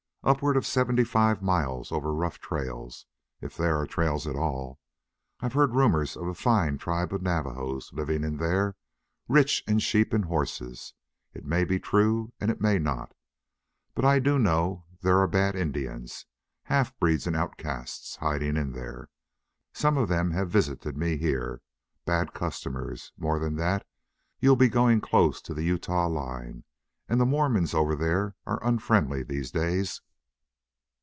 Upward of seventy five miles over rough trails, if there are trails at all.... I've heard rumors of a fine tribe of Navajos living in there, rich in sheep and horses. It may be true and it may not. But I do know there are bad Indians, half breeds and outcasts, hiding in there. Some of them have visited me here. Bad customers! More than that, you'll be going close to the Utah line, and the Mormons over there are unfriendly these days."